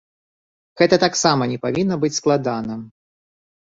Гэта таксама не павінна быць складана.